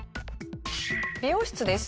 美容室です。